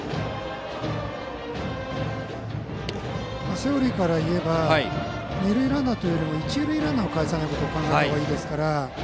セオリーからいえば二塁ランナーというよりも一塁ランナーをかえさないことを考えた方がいいですから。